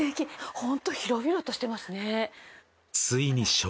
ホント広々としてますね。